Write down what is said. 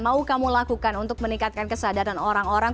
mau kamu lakukan untuk meningkatkan kesadaran orang orang